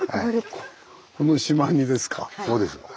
そうです。